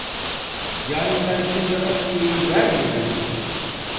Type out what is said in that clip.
Yani sen şimdi Asiye'yi vermiyon mu?